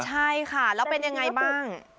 ใช่ค่ะแล้วเป็นยังไงบ้าง